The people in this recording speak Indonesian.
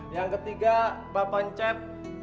yang ketiga bapak ncep